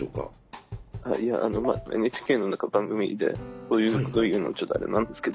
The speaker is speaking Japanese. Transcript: いやＮＨＫの何か番組でこういうことを言うのちょっとあれなんですけど。